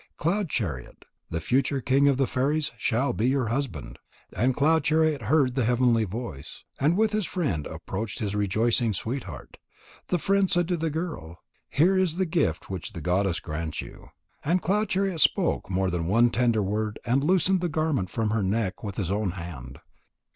Cloud chariot, the future king of the fairies, shall be your husband." And Cloud chariot heard the heavenly voice, and with his friend approached his rejoicing sweetheart. The friend said to the girl: "Here is the gift which the goddess grants you." And Cloud chariot spoke more than one tender word and loosed the garment from her neck with his own hand.